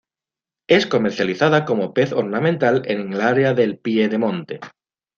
Es comercializada como pez ornamental en el área del piedemonte.